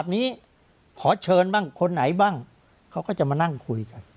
กฎหมายแค่แบบนี้ขอเชิญบ้างคนไหนบ้างเขาก็จะมานั่งคุยกัน